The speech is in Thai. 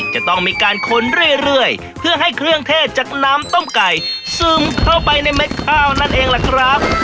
จะต้องมีการคนเรื่อยเพื่อให้เครื่องเทศจากน้ำต้มไก่ซึมเข้าไปในเม็ดข้าวนั่นเองล่ะครับ